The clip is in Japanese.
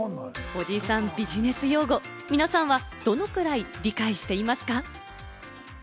おじさんビジネス用語、皆さんはどのくらい理解していますか？